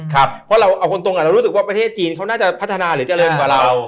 เพราะเราเอาคนตรงเรารู้สึกว่าประเทศจีนเขาน่าจะพัฒนาหรือเจริญกว่าเรา